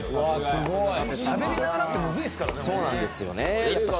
しゃべりながらってむずいですからね。